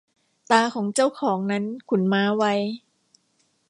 ตาของเจ้าของนั้นขุนม้าไว้